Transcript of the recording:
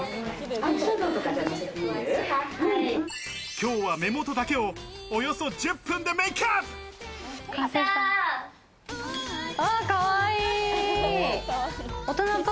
今日は目元だけを、およそ１０分でメイクアップ。